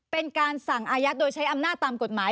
เป็นการสั่งอายัดโดยใช้อำนาจตามกฎหมาย